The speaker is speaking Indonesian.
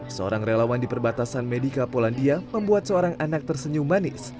seorang relawan di perbatasan medica polandia membuat seorang anak tersenyum manis